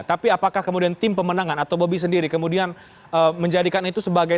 tapi apakah kemudian tim pemenangan atau bobi sendiri kemudian menjadikan itu sebagai